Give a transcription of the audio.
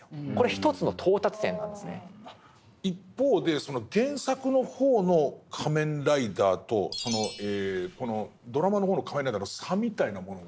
一方でその原作の方の「仮面ライダー」とドラマの方の「仮面ライダー」の差みたいなものは。